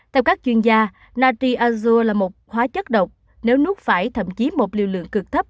theo các chuyên gia nati azuo là một hóa chất độc nếu nuốt phải thậm chí một liều lượng cực thấp